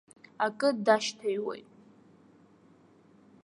Акы дашьҭаҩуеит.